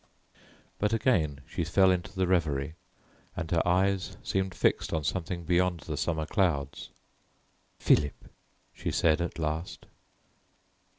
But again she fell into the reverie, and her eyes seemed fixed on something beyond the summer clouds. "Philip," she said at last.